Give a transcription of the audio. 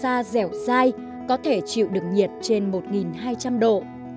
các loại đất dẻo dai có thể chịu được nhiệt trên một hai trăm linh độ